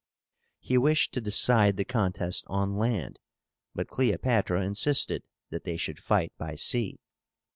He wished to decide the contest on land; but Cleopátra insisted that they should fight by sea.